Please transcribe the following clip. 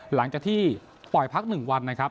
หลังจากที่ปล่อยพัก๑วันนะครับ